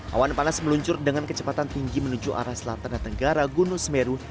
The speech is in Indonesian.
awan panas meluncur dengan kecepatan tinggi menuju arah selatan dan tenggara gunung semeru